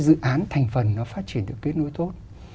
đảm bảo cho các dự án thành phần nó phát triển được kết nối tốt